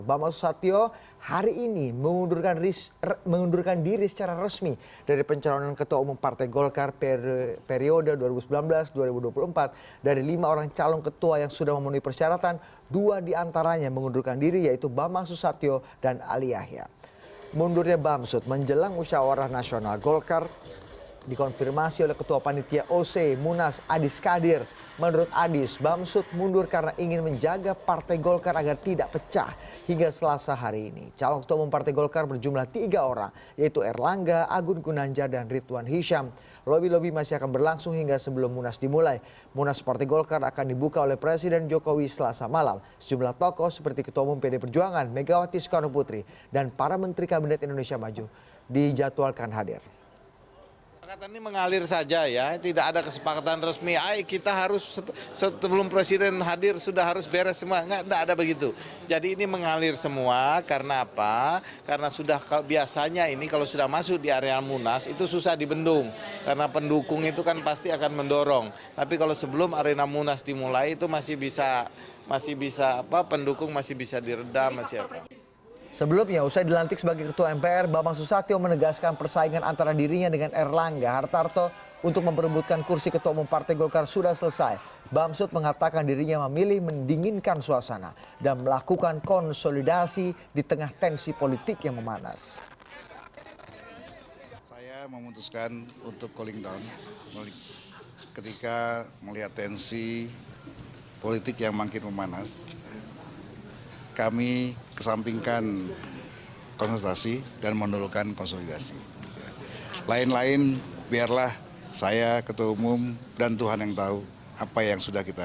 bambang susatyo hari ini mengundurkan diri secara resmi dari pencalonan ketua umum partai golkar periode dua ribu sembilan belas dua ribu dua puluh empat dari lima orang calon ketua yang sudah memenuhi persyaratan dua diantaranya mengundurkan diri yaitu bambang susatyo dan ali yahya